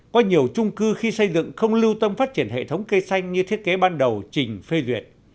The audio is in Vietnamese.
có nhiều trung cư khi xây dựng không lưu tâm phát triển hệ thống cây xanh như thiết kế ban đầu trình phê duyệt